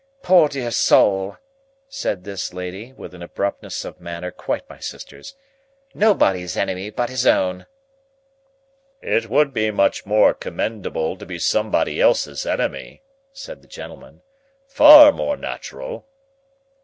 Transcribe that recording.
"Poor dear soul!" said this lady, with an abruptness of manner quite my sister's. "Nobody's enemy but his own!" "It would be much more commendable to be somebody else's enemy," said the gentleman; "far more natural."